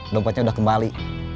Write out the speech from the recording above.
dompetnya udah kembali